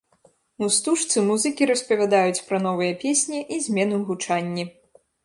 У стужцы музыкі распавядаюць пра новыя песні і змены ў гучанні.